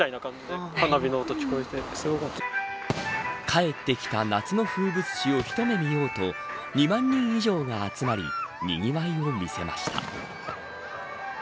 帰ってきた夏の風物詩を一目見ようと２万人以上が集まりにぎわいを見せました。